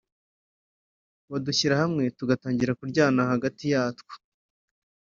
badushyira hamwe tugatangira kuryana hagati yatwo